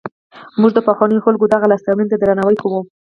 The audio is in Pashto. موږ د پخوانیو خلکو دغو لاسته راوړنو ته درناوی کوو.